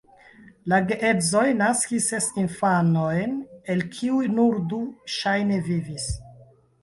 La geedzoj naskis ses infanojn, el kiuj nur du ŝajne vivis.